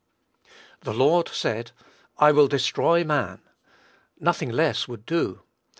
"The Lord said, I will destroy man." Nothing less would do.